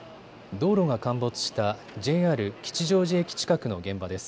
道路が陥没したＪＲ吉祥寺駅近くの現場です。